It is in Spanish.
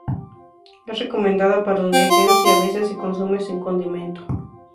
Es recomendada para los viajeros y a veces se consume sin condimento.